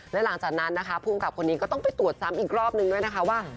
และหลังจากนั้นนะคะภูมิกับคนนี้ก็ต้องไปตรวจซ้ำอีกรอบนึงด้วยนะคะว่า